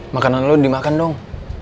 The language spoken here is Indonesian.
makanan lu dimakan dong